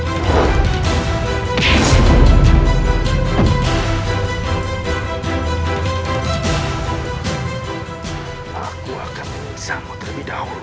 aku akan bisamu terlebih dahulu